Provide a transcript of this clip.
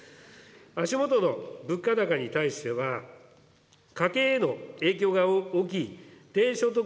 足下の物価高に対しては、家計への影響が大きい低所得